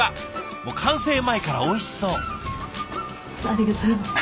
もう完成前からおいしそう！